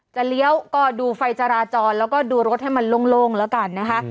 เลี้ยวก็ดูไฟจราจรแล้วก็ดูรถให้มันโล่งแล้วกันนะคะ